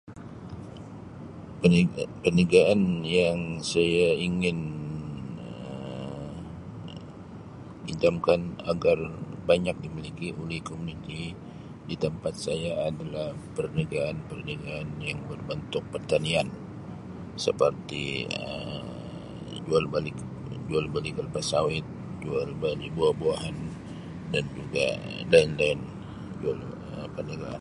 Perniaga-perniagaan yang saya ingin Um idamkan agar banyak diminati oleh komuniti di tempat saya adalah perniagaan-perniagaan yang berbentuk pertanian seperti Um jual beli Um jual beli kelapa sawit, jual beli buah-buahan dan juga daun-daun Um perniagaan.